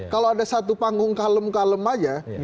kalau ada satu panggung kalem kalem aja